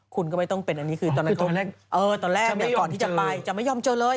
คุณก็ไม่ต้องเป็นอันนี้คือตอนนั้นตอนแรกก่อนที่จะไปจะไม่ยอมเจอเลย